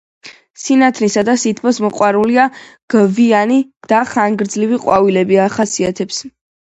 სინათლისა და სითბოს მოყვარულია; გვიანი და ხანგრძლივი ყვავილობა ახასიეთებს.